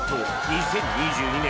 ２０２２年